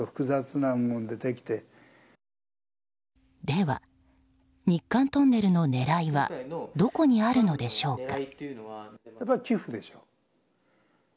では、日韓トンネルの狙いはどこにあるのでしょうか。